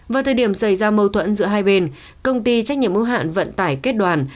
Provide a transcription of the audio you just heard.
vào thời điểm xảy ra mâu thuẫn giữa hai bên công ty trách nhiệm mô hạn vận tải kết đoàn